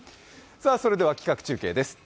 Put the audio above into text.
それでは企画中継です。